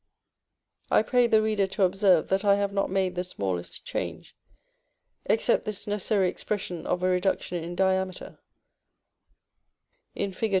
(I pray the reader to observe that I have not made the smallest change, except this necessary expression of a reduction in diameter, in Fig.